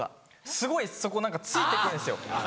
すごいそこ何か突いて来るんですよ。